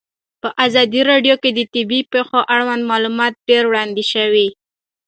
په ازادي راډیو کې د طبیعي پېښې اړوند معلومات ډېر وړاندې شوي.